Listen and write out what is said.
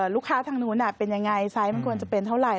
ทางนู้นเป็นยังไงไซส์มันควรจะเป็นเท่าไห